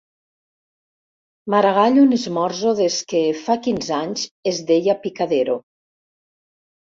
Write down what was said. Maragall on esmorzo des que, fa quinze anys, es deia “Picadero”.